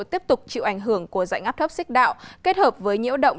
tiếp tục chịu ảnh hưởng của dạnh áp thấp xích đạo kết hợp với nhiễu động